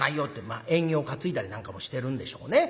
まあ縁起を担いだりなんかもしてるんでしょうね。